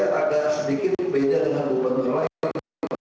nah kalau itu saya agak sedikit berbeda dengan gubernur lain